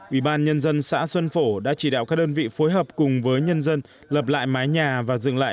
ubnd xã xuân phổ đã chỉ đạo các đơn vị phối hợp cùng với nhân dân lập lại mái nhà và dựng lại